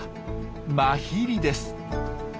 マヒリです。